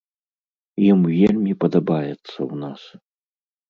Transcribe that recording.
Ім вельмі падабаецца ў нас.